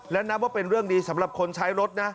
และนับว่าเป็นเรื่องดีสำหรับคนใช้รถนะ